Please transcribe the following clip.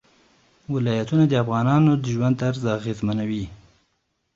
ولایتونه د افغانانو د ژوند طرز اغېزمنوي.